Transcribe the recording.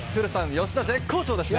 吉田、絶好調ですね。